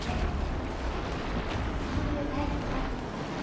そういう大切なことはさ